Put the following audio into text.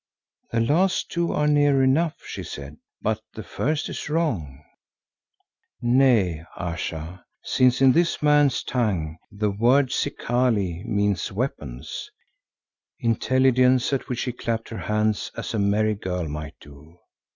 "The last two are near enough," she said, "but the first is wrong." "Nay, Ayesha, since in this man's tongue the word 'Zikali' means 'Weapons'"; intelligence at which she clapped her hands as a merry girl might do.